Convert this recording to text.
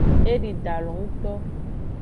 Edi dalo ngto.